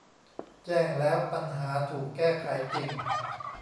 แจ้งแล้วปัญหาถูกแก้ไขจริง